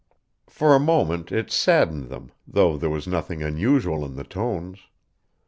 For a moment it saddened them, though there was nothing unusual in the tones.